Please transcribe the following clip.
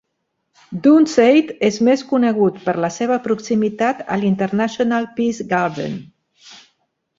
Dunseith és més conegut per la seva proximitat al International Peace Garden.